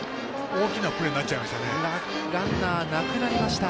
大きなプレーなっちゃいました。